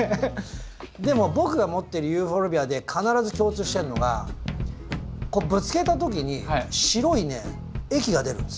でも僕が持ってるユーフォルビアで必ず共通してるのがこうぶつけた時に白いね液が出るんですよ。